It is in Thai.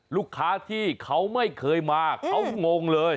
ลูกค้าที่เขาไม่เคยมาเขางงเลย